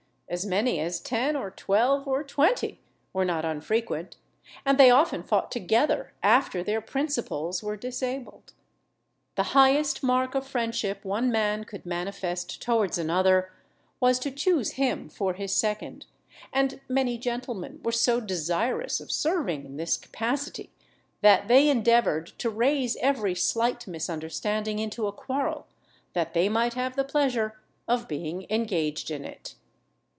As many as ten, or twelve, or twenty, were not unfrequent, and they often fought together after their principals were disabled. The highest mark of friendship one man could manifest towards another, was to choose him for his second; and many gentlemen were so desirous of serving in this capacity, that they endeavoured to raise every slight misunderstanding into a quarrel, that they might have the pleasure of being engaged in it.